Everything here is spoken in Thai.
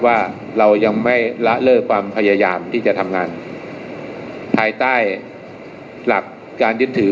ว่าเรายังไม่ละเลิกความพยายามที่จะทำงานภายใต้หลักการยึดถือ